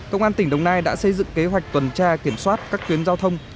công an tỉnh đồng nai đã xây dựng kế hoạch tuần tra kiểm soát các tuyến giao thông